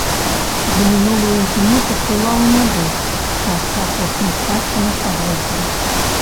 За мінулую зіму паплыла ў нябыт частка апошняй спадчыны стагоддзяў.